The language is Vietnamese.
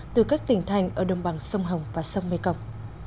từ các tỉnh thành ở đồng bằng sông hồng và sông mê công